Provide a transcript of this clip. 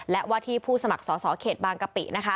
และวาทีผู้สมัครสอบสอเขตบางกะปิ